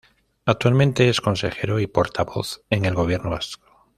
Actualmente es consejero y portavoz en el Gobierno Vasco.